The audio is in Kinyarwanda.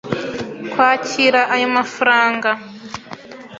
kwakira ayo mafaranga.